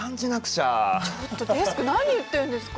ちょっとデスク何言ってるんですか。